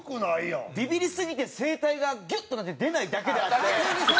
ビビりすぎて声帯がギュッとなって出ないだけであって。